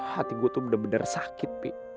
hati gue tuh bener bener sakit pi